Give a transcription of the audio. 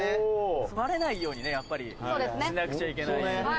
「バレないようにねやっぱりしなくちゃいけないんで」